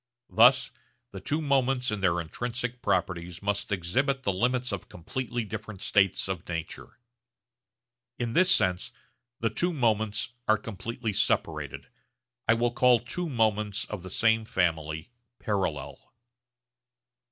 Thus the two moments in their intrinsic properties must exhibit the limits of completely different states of nature. In this sense the two moments are completely separated. I will call two moments of the same family 'parallel.'